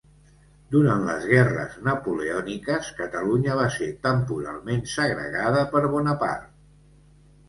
Durant les guerres napoleòniques, Catalunya va ser temporalment segregada per Bonaparte.